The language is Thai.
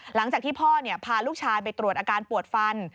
หลังจากที่พ่อพาลูกชายไปตรวจอาการปวดฟัน